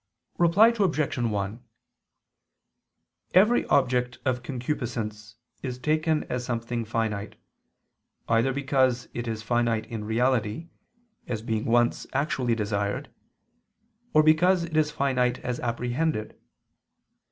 Reply Obj. 1: Every object of concupiscence is taken as something finite: either because it is finite in reality, as being once actually desired; or because it is finite as apprehended.